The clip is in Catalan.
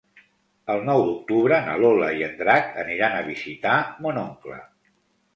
El nou d'octubre na Lola i en Drac aniran a visitar mon oncle.